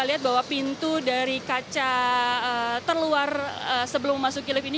kita lihat bahwa pintu dari kaca terluar sebelum memasuki lift ini